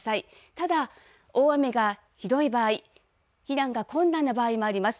ただ、大雨がひどい場合、避難が困難な場合もあります。